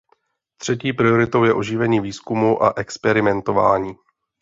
Třetí prioritou je oživení výzkumu a experimentování.